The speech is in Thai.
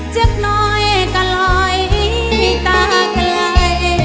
จับหน่อยก็ลอยตากลับ